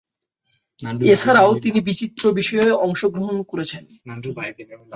এছাড়াও তিনি বিচিত্র বিষয়ে অংশগ্রহণ করেছেন।